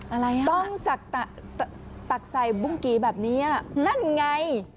อะไรอ่ะต้องตักใส่บุ้งกี่แบบนี้นั่นไง